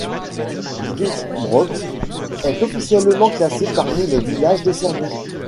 Brzi Brod est officiellement classé parmi les villages de Serbie.